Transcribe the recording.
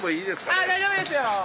ああ大丈夫ですよ。